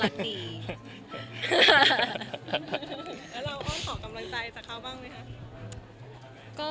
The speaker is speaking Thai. แล้วอ้อนขอกำลังใจสักคราวบ้างไหมคะ